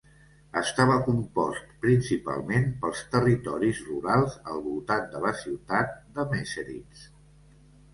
Estava compost principalment pels territoris rurals al voltant de la ciutat de Meseritz.